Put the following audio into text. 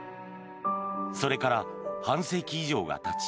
それから半世紀以上がたち